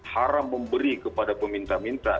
haram memberi kepada peminta minta